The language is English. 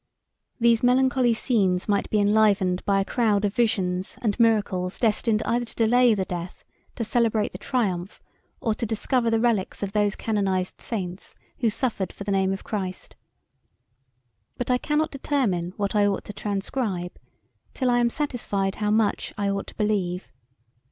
These melancholy scenes might be enlivened by a crowd of visions and miracles destined either to delay the death, to celebrate the triumph, or to discover the relics of those canonized saints who suffered for the name of Christ. But I cannot determine what I ought to transcribe, till I am satisfied how much I ought to believe.